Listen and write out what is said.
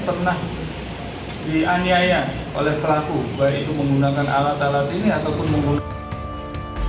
pernah dianiaya oleh pelaku baik itu menggunakan alat alat ini ataupun menggunakan